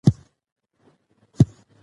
که کتاب په زړه نه وي، واخستل یې بې ګټې دی.